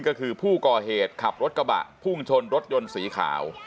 ก็คือผู้ก่อเหตุขับรถกระบะพุ่งชนรถยนต์สีขาว